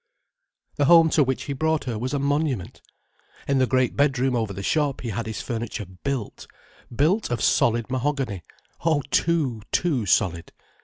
The home to which he brought her was a monument. In the great bedroom over the shop he had his furniture built: built of solid mahogany: oh too, too solid.